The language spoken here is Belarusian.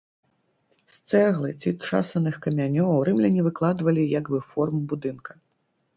З цэглы ці часаных камянёў рымляне выкладвалі як бы форму будынка.